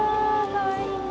かわいいね。